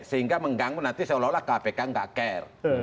sehingga mengganggu nanti seolah olah kpk nggak care